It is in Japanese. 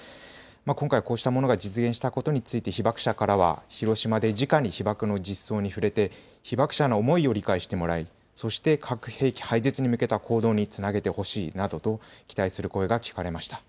今回、こうしたものが実現したことについて被爆者からは、広島でじかに被爆の実相に触れて、被爆者の思いを理解してもらい、そして核兵器廃絶に向けた行動につなげてほしいなどと期待する声が聞かれました。